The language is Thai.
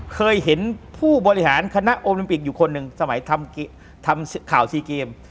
เคยเห็นผู้บริหารคณะโอลิมปิกอยู่คนหนึ่งสมัยทำข่าว๔เกม